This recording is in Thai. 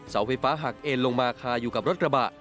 เสาไฟฟ้าหักเอ็นลงมาคาอยู่กับรถกระบะ